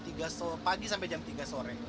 pagi sampai jam tiga sore